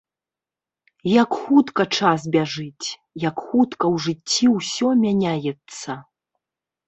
Як хутка час бяжыць, як хутка ў жыцці ўсё мяняецца!